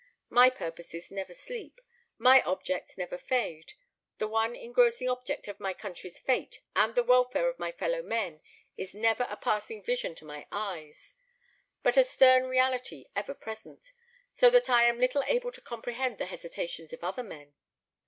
My purposes never sleep; my objects never fade: the one engrossing object of my country's fate and the welfare of my fellow men is never a passing vision to my eyes, but a stern reality ever present, so that I am little able to comprehend the hesitations of other men."